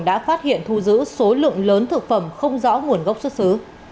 đã phát hiện thu giữ số lượng lớn thực phẩm không rõ nguồn gốc xuất xứ